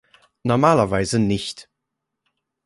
Normalerweise nicht.